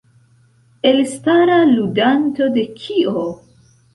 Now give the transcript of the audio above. Elstara ludanto de Kio?